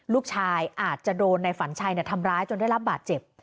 ลูกชายอาจจะโดนในฝันชัยทำร้ายจนได้รับบาดเจ็บ